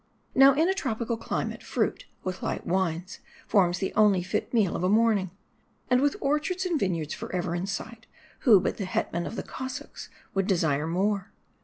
Now, in a tropical climate, fruit, with light wines, forms the only fit meal of a morning. And with orchards and vineyards forever in sight, who but the Hetman of the Cos sacs would desire more